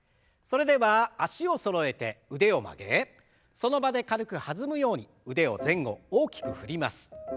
それでは脚をそろえて腕を曲げその場で軽く弾むように腕を前後大きく振ります。